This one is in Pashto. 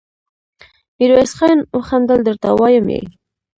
ميرويس خان وخندل: درته وايم يې!